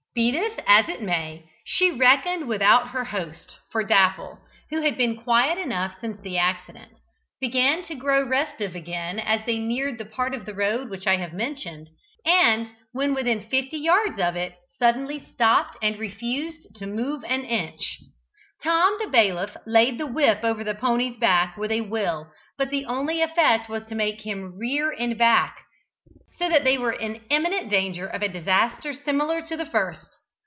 Be this as it may, she reckoned without her host, for Dapple, who had been quiet enough since the accident, began to grow restive again as they neared the part of the road which I have mentioned, and, when within fifty yards of it, suddenly stopped and refused to move an inch. Tom the Bailiff laid the whip over the pony's back with a will, but the only effect was to make him rear and back, so that they were in imminent danger of a disaster similar to the first.